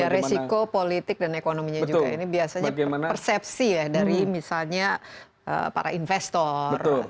ya resiko politik dan ekonominya juga ini biasanya persepsi ya dari misalnya para investor